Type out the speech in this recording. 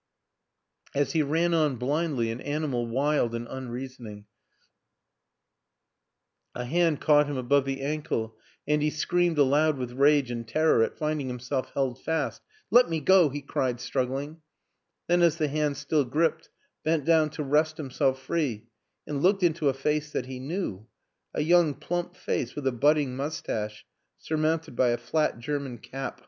As he ran on blindly, an ani mal wild and unreasoning, a hand caught him above the ankle and he screamed aloud with rage and terror at finding himself held fast. " Let me go," he cried struggling; then, as the hand still gripped, bent down to wrest himself free and looked into a face that he knew a young plump face with a budding mustache sur mounted by a flat German cap.